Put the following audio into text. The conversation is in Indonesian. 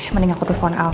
mending aku telfon al